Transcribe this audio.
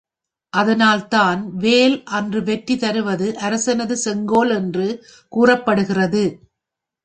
அதனால்தான் வேல் அன்று வெற்றி தருவது அரசனது செங்கோல் என்று கூறப்படுகிறது.